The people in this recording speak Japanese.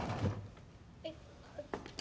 えっ。